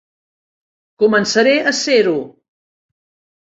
Començaré a ser-ho.